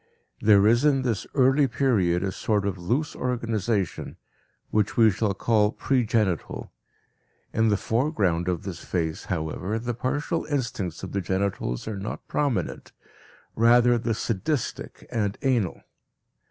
There is in this early period a sort of loose organization, which we shall call pre genital. In the foreground of this phase, however, the partial instincts of the genitals are not prominent, rather the sadistic and anal.